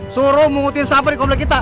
suruh menghukum siapa di komplek kita